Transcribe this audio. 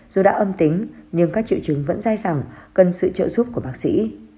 dù đã âm tính nhưng các triệu chứng vẫn dai dẳng cần sự trợ giúp của bác sĩ